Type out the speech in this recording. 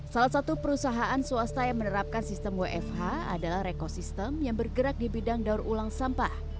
salah satu perusahaan swasta yang menerapkan sistem wfh adalah rekosistem yang bergerak di bidang daur ulang sampah